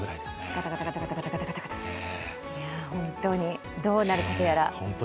ガタガタガタガタ本当にどうなることやら。